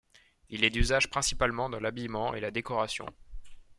Il est d'usage principalement dans l'habillement et la décoration.